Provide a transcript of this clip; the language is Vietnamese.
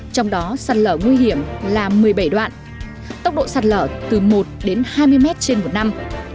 trong đó sạc lỡ nguy hiểm là một mươi bảy đoạn tốc độ sạc lỡ từ một đến hai mươi m trên một năm